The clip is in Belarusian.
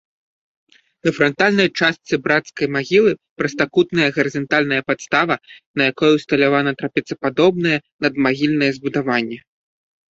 На франтальнай частцы брацкай магілы прастакутная гарызантальная падстава, на якой усталявана трапецападобнае надмагільнае збудаванне.